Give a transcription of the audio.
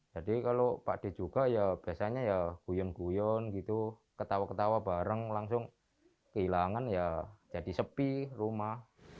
kalau pak d juga ya biasanya ya guyon guyon gitu ketawa ketawa bareng langsung kehilangan ya jadi sepi rumah